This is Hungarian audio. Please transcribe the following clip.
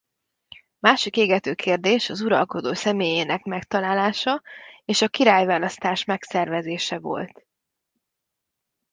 Másik égető kérdés az uralkodó személyének megtalálása és a királyválasztás megszervezése volt.